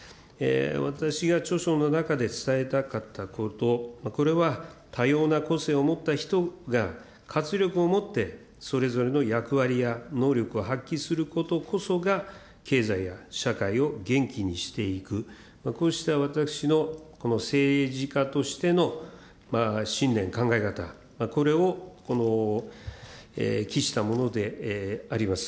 私が著書の中で伝えたかったこと、これは多様な個性を持った人が活力を持って、それぞれの役割や能力を発揮することこそが、経済や社会を元気にしていく、こうした私の政治家としての信念、考え方、これをこの記したものであります。